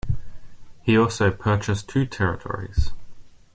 He also purchased two territories.